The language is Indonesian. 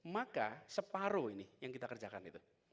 maka separoh ini yang kita kerjakan itu